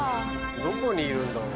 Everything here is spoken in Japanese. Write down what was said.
どこにいるんだろう？